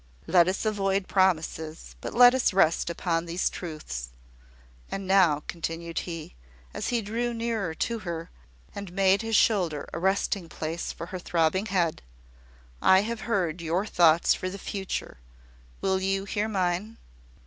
Let us avoid promises, but let us rest upon these truths. And now," continued he, as he drew nearer to her, and made his shoulder a resting place for her throbbing head, "I have heard your thoughts for the future. Will you hear mine?"